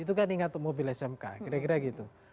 itu kan ingat mobil smk kira kira gitu